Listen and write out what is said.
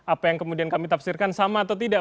apa yang kemudian kami tafsirkan sama atau tidak